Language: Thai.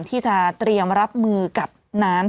ที่จะเตรียมรับมือกับน้ำ